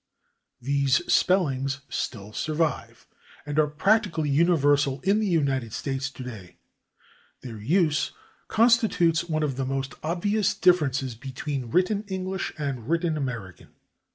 These spellings still survive, and are practically universal in the United States today; their use constitutes one of the most obvious differences between written English and written American.